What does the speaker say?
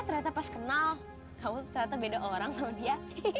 ternyata pas kenal kamu ternyata beda orang sama dia